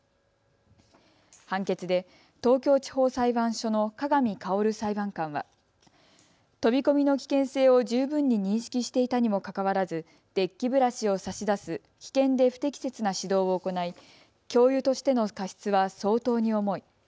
判決で東京地方裁判所の鏡味薫裁判官は飛び込みの危険性を十分に認識していたにもかかわらずデッキブラシを差し出す危険で不適切な指導を行い教諭としての過失は相当に重い。